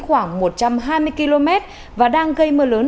khoảng một trăm hai mươi km và đang gây mưa lớn